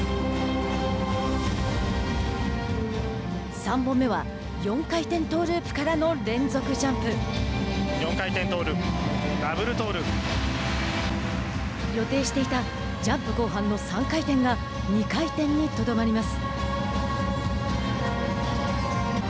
３本目は４回転トーループからの４回転トーループ予定していたジャンプ後半の３回転が２回転にとどまります。